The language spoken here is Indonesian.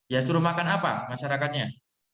ya suruh makan apa masyarakatnya